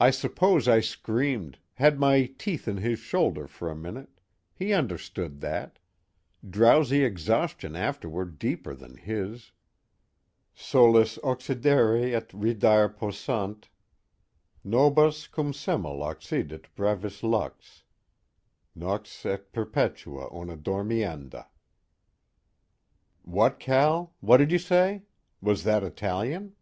_I suppose I screamed had my teeth in his shoulder for a minute he understood that. Drowsy exhaustion afterward deeper than his_ Soles occidere et redire possunt: Nobis cum semel occidit brevis lux, Nox est perpetua una dormienda.... "_What, Cal? What did you say? Was that Italian?